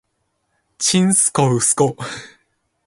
ちんすこうすこ